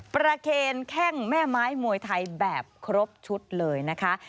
เคนแข้งแม่ไม้มวยไทยแบบครบชุดเลยนะคะ